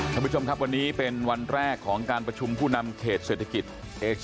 ท่านผู้ชมครับวันนี้เป็นวันแรกของการประชุมผู้นำเขตเศรษฐกิจเอส